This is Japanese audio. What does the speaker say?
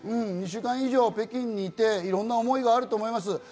２週間以上、北京にいて、いろんな思いがあると思います。